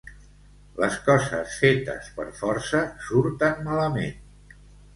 Les coses fetes per força surten malament.